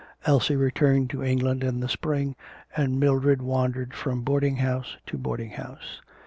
Elsie returned to England in the spring, and Mildred wandered from boarding house to boarding house.